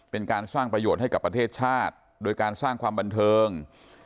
เป็นการสร้างประโยชน์ให้กับประเทศชาติโดยการสร้างความบันเทิง